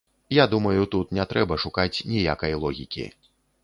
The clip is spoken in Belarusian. Я думаю, тут не трэба шукаць ніякай логікі.